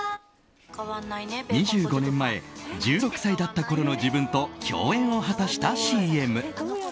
２５年前１６歳だったころの自分と共演を果たしたＣＭ。